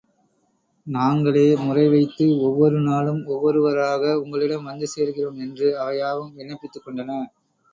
நாங்களே முறைவைத்து ஒவ்வொரு நாளும் ஒவ்வொருவராக உங்களிடம் வந்து சேர்கிறோம் என்று, அவை யாவும் விண்ணப்பித்துக் கொண்டன.